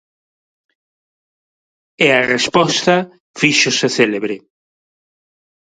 E a resposta fíxose célebre.